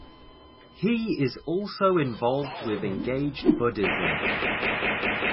He is also involved with Engaged Buddhism.